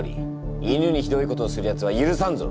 犬にひどいことをするやつはゆるさんぞ！